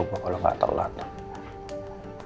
coba gue kalau gak tau lah tuh